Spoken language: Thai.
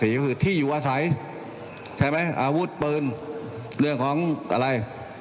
เนี้ยก็คือที่อยู่วาซัยใช่ไหมอาวุธเบิร์นเรื่องของอะไร